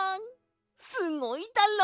すごいだろ！